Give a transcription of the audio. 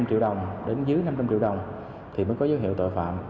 từ hai trăm linh triệu đồng đến dưới năm trăm linh triệu đồng thì mới có dấu hiệu tội phạm